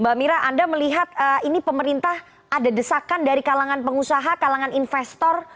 mbak mira anda melihat ini pemerintah ada desakan dari kalangan pengusaha kalangan investor